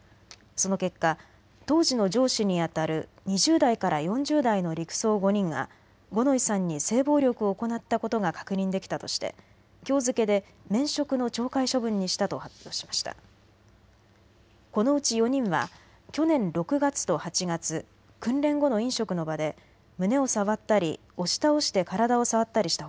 その結果、当時の上司にあたる２０代から４０代の陸曹５人が五ノ井さんに性暴力を行ったことが確認できたとしてきょう付けで免職の懲戒処分にしたと発表しました。